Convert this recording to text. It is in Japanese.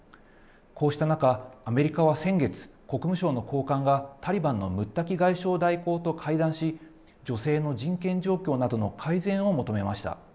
こうした中、アメリカは先月、国務省の高官がタリバンのムッタキ外相代行と会談し、女性の人権状況などの改善を求めました。